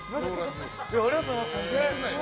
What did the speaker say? ありがとうございます。